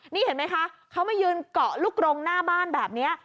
นี่เห็นไหมคะเขามายืนเกาะลูกกรงหน้าบ้านแบบนี้